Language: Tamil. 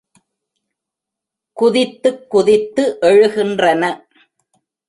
குதித்துக் குதித்து எழுகின்றன.